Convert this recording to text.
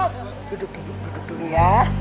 duduk dulu ya